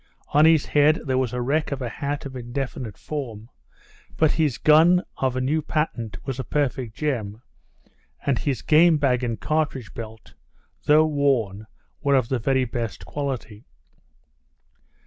On his head there was a wreck of a hat of indefinite form, but his gun of a new patent was a perfect gem, and his game bag and cartridge belt, though worn, were of the very best quality.